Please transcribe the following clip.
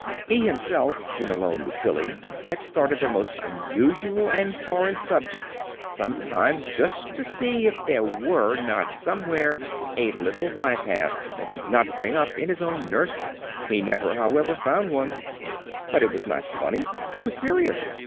He himself, when alone with Billy, had started the most unusual and foreign subjects, sometimes, just to see if there were not somewhere a little bypath that did not bring up in his own nursery. He never, however, found one. But it was not funny; it was serious.